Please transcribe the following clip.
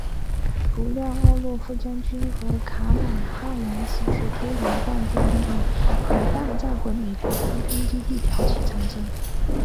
不料奥洛夫将军和卡马汉王子却偷梁换柱利用核弹炸毁美国空军基地挑起战争。